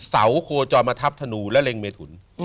เสาโคจรมาทับธนูและเล็งเมถุน